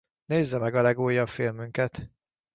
Nézze meg legújabb filmünket!